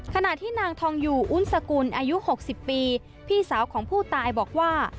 ขณะที่นางทองอยู่อุ้นสกุลอายุ๖๐ปีพี่สาวของผู้ตายบอกว่า